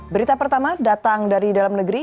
berita pertama datang dari dalam negeri